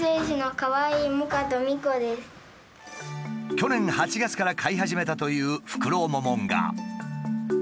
去年８月から飼い始めたというフクロモモンガ。